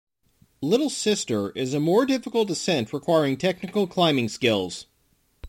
"Little Sister" is a more difficult ascent requiring technical climbing skills.